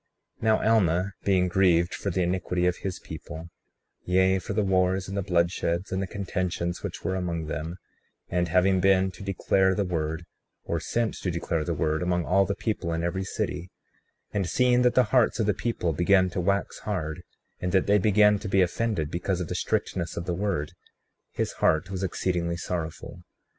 35:15 Now Alma, being grieved for the iniquity of his people, yea for the wars, and the bloodsheds, and the contentions which were among them; and having been to declare the word, or sent to declare the word, among all the people in every city; and seeing that the hearts of the people began to wax hard, and that they began to be offended because of the strictness of the word, his heart was exceedingly sorrowful.